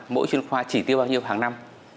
mỗi chuyên khoa chỉ tiêu bao nhiêu hàng năm